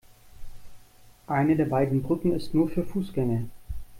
Eine der beiden Brücken ist nur für Fußgänger.